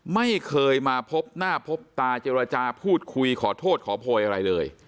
ไม่เคยมาพบหน้าพบตาเจรจาพูดคุยขอโทษขอโพยอะไรเลย